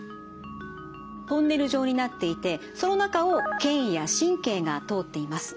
トンネル状になっていてその中を腱や神経が通っています。